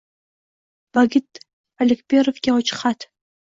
Vagit Alekperovga ochiq xat!